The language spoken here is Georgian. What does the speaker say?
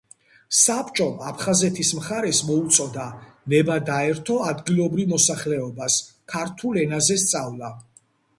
საბჭომ, აფხაზეთის მხარეს მოუწოდა, ნება დაერთო ადგილობრივ მოსახლეობას, ქართულ ენაზე სწავლა.